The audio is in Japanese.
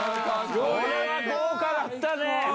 これは豪華だったね！